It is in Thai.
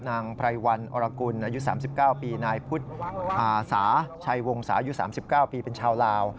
ไพรวันอรกุลอายุ๓๙ปีนายพุทธอาสาชัยวงศายุ๓๙ปีเป็นชาวลาว